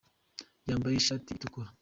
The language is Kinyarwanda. Yambaye ushati itukura.